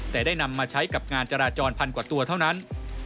แต่ได้นำมาใช้กับงานจราจรพันกว่าตัวเท่านั้น